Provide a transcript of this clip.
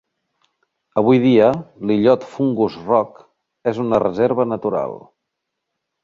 Avui dia, l'illot Fungus Rock és una reserva natural.